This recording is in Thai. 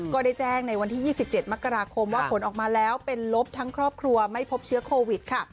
ก็ได้แจ้งในวันที่๒๗มกราคมว่าผลออกมาแล้วเป็นลบทั้งครอบครัวไม่พบเชื้อโควิดค่ะ